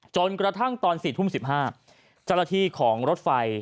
จนกระทั่งตอน๔ทุ่ม๑๕เจ้าหน้าที่ของรถไฟ